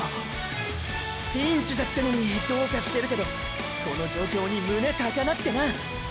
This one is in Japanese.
ピンチだってのにどうかしてるけどこの状況に胸高鳴ってな。